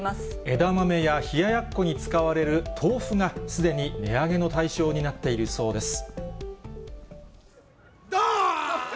枝豆や冷ややっこに使われる豆腐が、すでに値上げの対象になっているそうです。